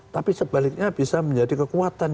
tapi sebaliknya bisa menjadi kekuatan